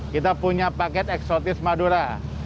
kita punya paket eksotis madura